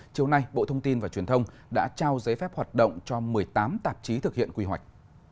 chiều nay bộ thông tin và truyền thông đã trao giấy phép hoạt động cho một mươi tám tạp chí thực hiện quy hoạch